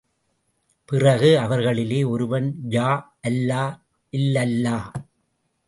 பிறகு அவர்களிலே ஒருவன் யா அல்லா இல்லல்லா!